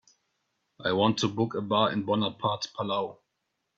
I want to book a bar in Bonaparte Palau.